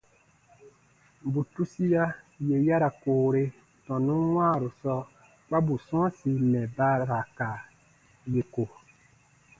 Bù tusia yè ya ra koore tɔnun wãaru sɔɔ kpa bù sɔ̃ɔsi mɛ̀ ba ra ka yè ko.